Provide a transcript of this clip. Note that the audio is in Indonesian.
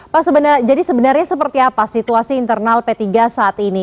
pak jadi sebenarnya seperti apa situasi internal p tiga saat ini